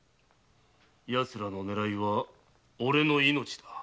ヤツらの狙いはおれの命だ。